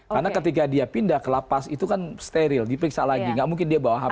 karena ketika dia pindah ke lapas itu kan steril dipiksa lagi tidak mungkin dia bawa hp